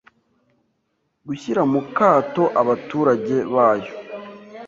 gushyira mu kato abaturage bayo